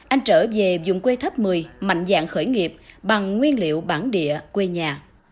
anh trở về dùng quê tháp mười mạnh dạng khởi nghiệp bằng nguyên liệu bản địa quê nhà